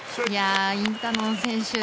インタノン選手